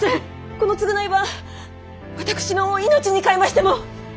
この償いは私の命にかえましても！